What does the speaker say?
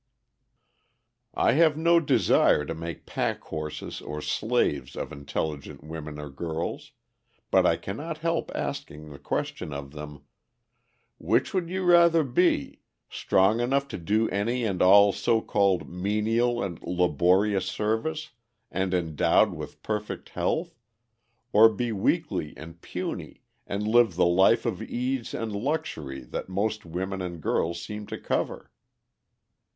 I have no desire to make pack horses or slaves of intelligent women or girls, but I cannot help asking the question of them: "Which would you rather be, strong enough to do any and all so called menial and laborious service, and endowed with perfect health, or be weakly and puny and live the life of ease and luxury that most women and girls seem to covet?"